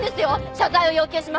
謝罪を要求します！